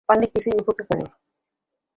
অনেককিছুই উপেক্ষা করো।